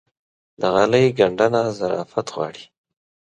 د غالۍ ګنډنه ظرافت غواړي.